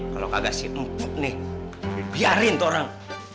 kalo kagak si empuk nih biarin tuh orang